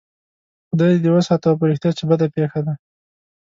خدای دې وساته او په رښتیا چې بده پېښه ده.